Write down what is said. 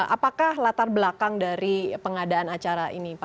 apakah latar belakang dari pengadaan acara ini pak